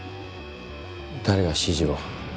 誰が指示を？